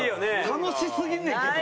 楽しすぎんねんけど。